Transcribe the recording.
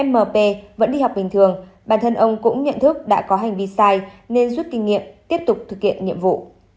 mp vẫn đi học bình thường bản thân ông cũng nhận thức đã có hành vi sai nên rút kinh nghiệm tiếp tục thực hiện nhiệm vụ